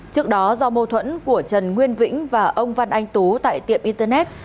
trước đó do mâu thuẫn của trần nguyên vĩnh và ông văn anh tú tại tiệm internet